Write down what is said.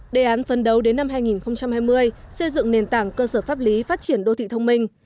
đề án phân đấu đến năm hai nghìn hai mươi xây dựng nền tảng cơ sở pháp lý phát triển đô thị thông minh